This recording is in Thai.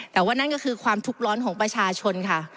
แต่ว่านั่นก็คือความทุกข์ร้อนของประชาชนค่ะ